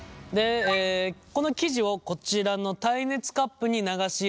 この生地をこちらの耐熱カップに流し入れていきます。